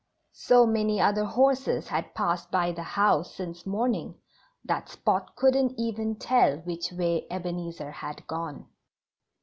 So many other horses had passed by the house since morning that Spot couldn't even tell which way Ebenezer had gone.